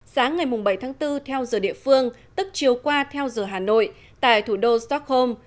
sáng ngày bảy tháng bốn theo giờ địa phương tức chiều qua theo giờ hà nội tại thủ đô stockholm